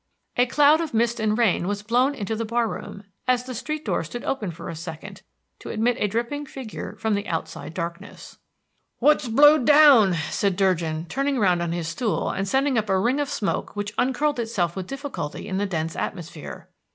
A cloud of mist and rain was blown into the bar room as the street door stood open for a second to admit a dripping figure from the outside darkness. "What's blowed down?" asked Durgin, turning round on his stool and sending up a ring of smoke which uncurled itself with difficulty in the dense atmosphere.